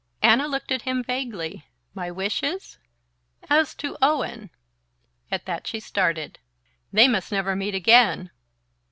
Anna looked at him vaguely. "My wishes?" "As to Owen " At that she started. "They must never meet again!"